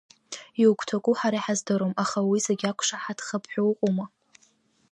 Иугәҭаку ҳара иҳаздыруам, аха уи зегьы ақәшаҳаҭхап ҳәа уҟоума?